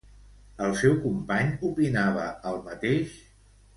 El seu company opinava el mateix?